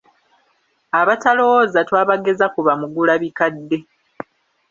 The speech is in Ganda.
Abatalowooza twabageza ku bamugulabikadde.